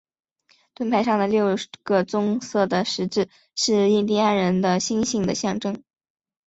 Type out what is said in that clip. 盾牌上的六个棕色的十字是印第安人的星星的象征。